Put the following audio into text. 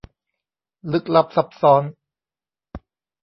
ลึกลับซับซ้อน